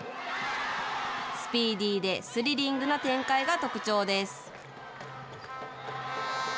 スピーディーでスリリングな展開が特徴です。